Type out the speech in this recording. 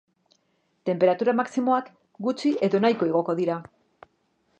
Tenperatura maximoak gutxi edo nahiko igoko dira.